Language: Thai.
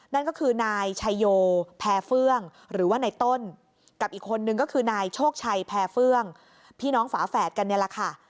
นั่นก็คือนายชายโยแพรเฟื่องหรือว่าในต้นกับอีกคนนึงก็คือนายโชคชัยแพรเฟื่องพี่น้องฝาแฝดกันนี่แหละค่ะ